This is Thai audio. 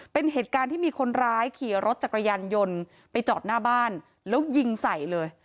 เป็นเหตุการณ์ที่มีคนร้ายขี่รถจักรยานยนต์ไปจอดหน้าบ้านแล้วยิงใส่เลย